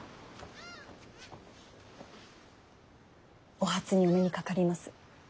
お初にお目にかかります。